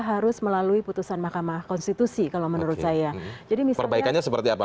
harus melalui putusan mahkamah konstitusi kalau menurut saya jadi misalnya seperti apa